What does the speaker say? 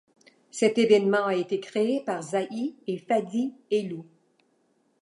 Cet événement a été créé par Zahi et Fadi Helou.